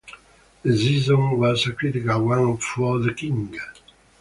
The season was a critical one for the king.